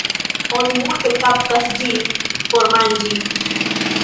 Oni multe kaptas ĝin por manĝi.